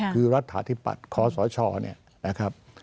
คือรัฐถิปัตย์คศนะครับ